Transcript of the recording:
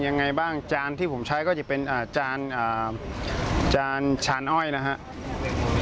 ยังไงบ้างจานที่ผมใช้ก็จะเป็นจานจานชานอ้อยนะครับ